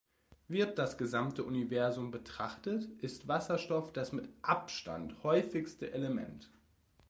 Wird das gesamte Universum betrachtet, ist Wasserstoff das mit Abstand häufigste Element.